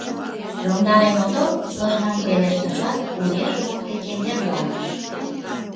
— Йомдарен отыл? — лыжган пелештышат, уэш воктекем верланыш.